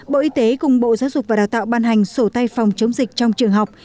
bộ y tế cùng bộ giáo dục và đào tạo ban hành sổ tay phòng chống dịch trong trường học